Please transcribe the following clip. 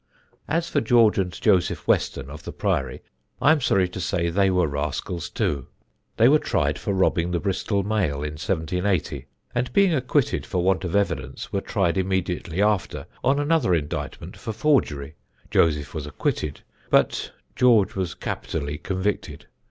"As for George and Joseph Weston, of the Priory, I am sorry to say they were rascals too. They were tried for robbing the Bristol mail in 1780; and being acquitted for want of evidence, were tried immediately after on another indictment for forgery Joseph was acquitted, but George was capitally convicted.